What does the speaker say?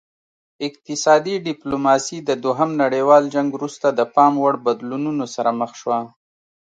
اقتصادي ډیپلوماسي د دوهم نړیوال جنګ وروسته د پام وړ بدلونونو سره مخ شوه